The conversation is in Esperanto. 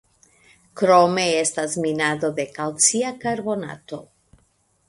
Krome estas minado de kalcia karbonato.